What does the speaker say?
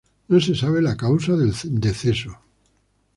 No se sabe la causa del deceso.